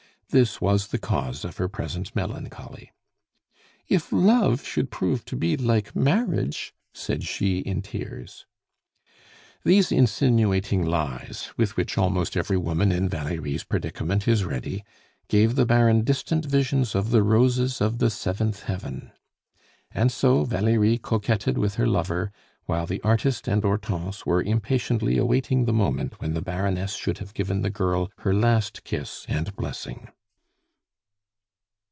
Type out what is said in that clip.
This was the cause of her present melancholy. "If love should prove to be like marriage " said she in tears. These insinuating lies, with which almost every woman in Valerie's predicament is ready, gave the Baron distant visions of the roses of the seventh heaven. And so Valerie coquetted with her lover, while the artist and Hortense were impatiently awaiting the moment when the Baroness should have given the girl her last kiss and blessing.